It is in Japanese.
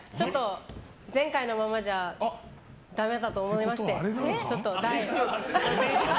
前回のままじゃダメだと思いまして。